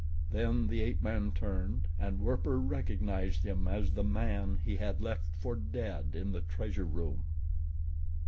Then the ape man turned, and Werper recognized him as the man he had left for dead in the treasure room.